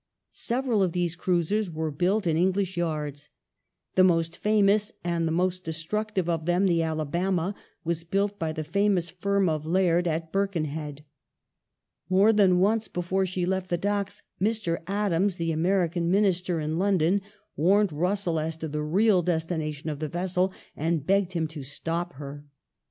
Several of these cruisers were built in English yards. The most famous and the most destructive of them — the Alabama — was built by the famous firm of Laird at Birkenhead. More than once before she left the docks, Mr. Adams, the American Minister in London, warned Russell as to the real destination of the vessel, and begged him to stop her.